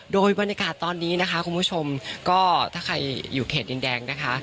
โดยบรรยากาศตอนนี้นะคะคุณผู้ชมก็ถ้าใครอยู่เขตดินแดงนะคะ